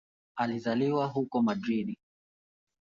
Alizaliwa huko Madrid.